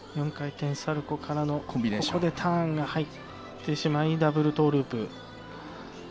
４回転サルコーからの、ここでターンが入ってしまい、ダブルトーループ。